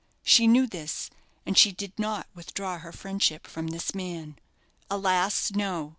She knew this, and she did not withdraw her friendship from this man. Alas, no!